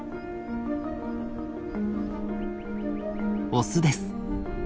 オスです。